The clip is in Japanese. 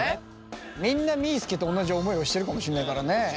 みんなみーすけと同じ思いをしてるかもしれないからね。